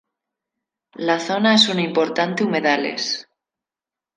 La zona es un importante humedales.